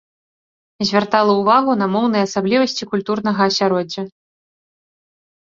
Звяртала ўвагу на моўныя асаблівасці культурнага асяроддзя.